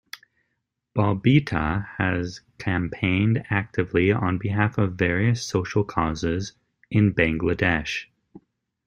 Bobita has campaigned actively on behalf of various social causes in Bangladesh.